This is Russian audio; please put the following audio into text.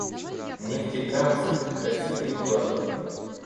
Нефтекамск — красивый город